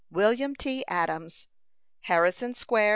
WILLIAM T. ADAMS. HARRISON SQUARE.